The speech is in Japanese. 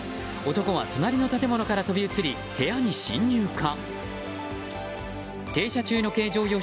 男は隣の建物から飛び移り部屋に侵入か。